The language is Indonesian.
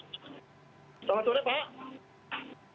selamat sore pak